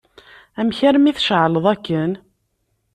Amek armi tceεleḍ akken?